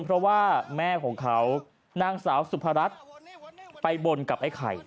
เพราะว่าแม่ของเขานางสาวสุพรัชไปบนกับไอ้ไข่